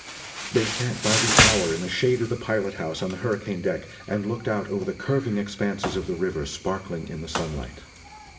They sat by the hour in the shade of the pilot house on the hurricane deck and looked out over the curving expanses of the river sparkling in the sunlight.